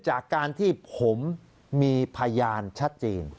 จากการที่ผมมีพยานชัดเจน